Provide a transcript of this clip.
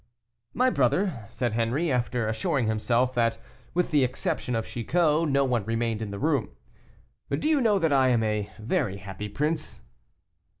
"My brother," said Henri, after assuring himself that, with the exception of Chicot, no one remained in the room, "do you know that I am a very happy prince?"